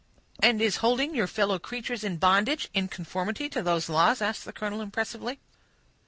"And is holding your fellow creatures in bondage in conformity to those laws?" asked the colonel, impressively.